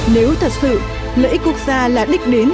nếu thật sự lợi ích quốc gia là đích đến